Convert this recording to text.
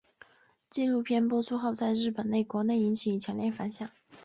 纪录片播出后在日本国内引起强烈反响。